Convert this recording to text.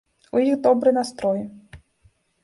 У іх добры настрой.